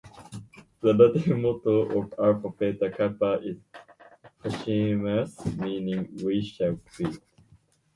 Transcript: Gudauri is Georgia's most renowned site for speedriding and paragliding.